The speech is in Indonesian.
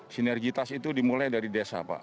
sinergitas itu dimulai dari desa pak